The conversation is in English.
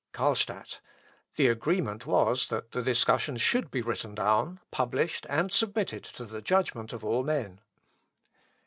Carlstadt. "The agreement was, that the discussion should be written down, published, and submitted to the judgment of all men."